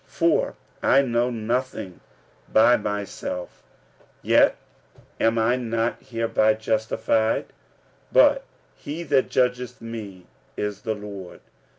46:004:004 For I know nothing by myself; yet am I not hereby justified: but he that judgeth me is the Lord.